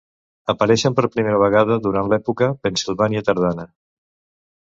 Apareixen per primera vegada durant l'època Pennsilvània tardana.